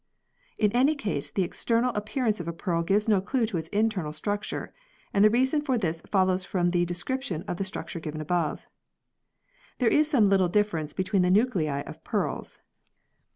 In any case the external appearance of a pearl gives no clue to its internal structure, and the reason for this follows from the description of the structure given above. There is some little difference between the nuclei of pearls.